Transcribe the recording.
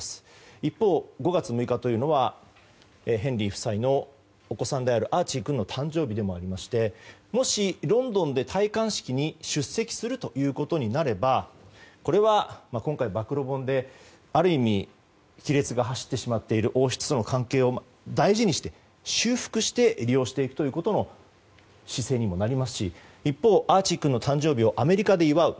一方、５月６日というのはヘンリー夫妻のお子さんであるアーチー君の誕生日でもありましてもし、ロンドンで戴冠式に出席するということになればこれは、今回の暴露本である意味亀裂が走ってしまっている王室との関係を大事にして修復して利用していくという姿勢にもなりますし一方、アーチー君の誕生日をアメリカで祝うと。